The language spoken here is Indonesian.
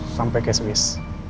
sampai ke swiss